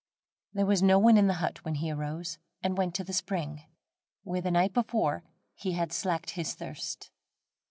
There was no one in the hut when he arose and went to the spring, where the night before he had slaked his thirst.